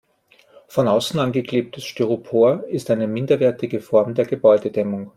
Von außen angeklebtes Styropor ist eine minderwertige Form der Gebäudedämmung.